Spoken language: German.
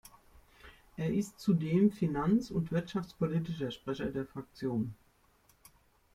Er ist zudem finanz- und wirtschaftspolitischer Sprecher der Fraktion.